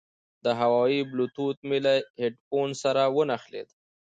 د هوواوي بلوتوت مې له هیډفون سره ونښلید.